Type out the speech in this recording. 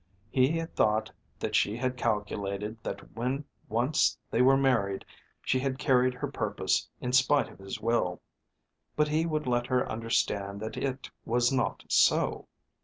He had thought that she had calculated that when once they were married she had carried her purpose in spite of his will. But he would let her understand that it was not so.